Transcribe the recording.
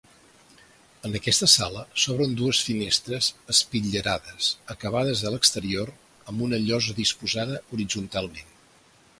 En aquesta sala s'obren dues finestres espitllerades acabades a l'exterior amb una llosa disposada horitzontalment.